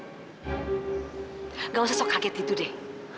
nggak usah sok kaget gitu deh